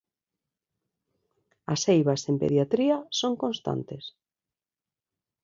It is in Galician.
As eivas en pediatría son constantes.